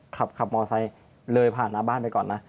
ขับมอไซค์เลยผ่านหน้าบ้านไปก่อนนะ